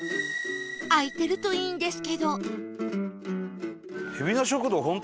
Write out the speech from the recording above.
開いてるといいんですけど